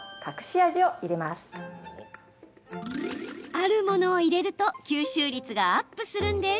あるものを入れると吸収率がアップするんです。